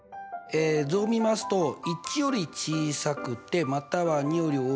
図を見ますと１より小さくてまたは２より大きい。